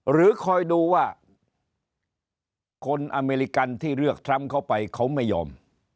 หรือคอยดูว่าคนอเมริกันที่เลือกทรัมป์เข้าไปเขาไม่ยอม